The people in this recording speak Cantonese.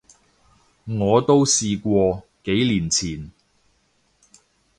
我都試過，幾年前